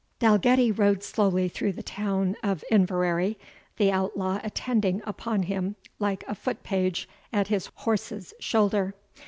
Dalgetty rode slowly through the town of Inverary, the outlaw attending upon him like a foot page at his horse's shoulder.